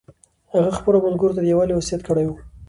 هغه خپلو ملګرو ته د یووالي وصیت کړی و.